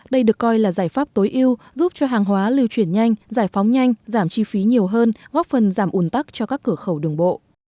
đây được coi là giải pháp tối ưu giúp cho hàng hóa lưu chuyển nhanh giải phóng nhanh giảm chi phí nhiều hơn góp phần giảm ủn tắc cho các cửa khẩu đường bộ